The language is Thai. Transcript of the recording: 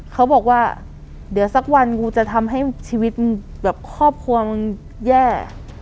เขาบอกว่าเดี๋ยวสักวันกูจะทำให้ชีวิตแบบครอบครัวมึงแย่